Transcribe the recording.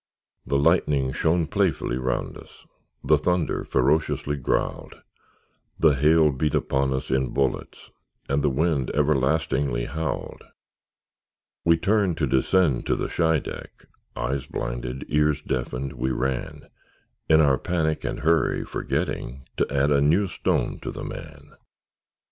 The lightning shone playfully round us; The thunder ferociously growled; The hail beat upon us in bullets; And the wind everlastingly howled. We turned to descend to the Scheideck, Eyes blinded, ears deafened, we ran, In our panic and hurry, forgetting To add a new stone to the man.